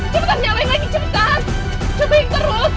cepetan nyalain lagi cepetan